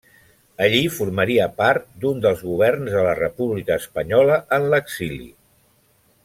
Allí formaria part d'un dels governs de la República espanyola en l'exili.